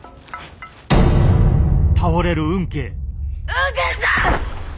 吽慶さん！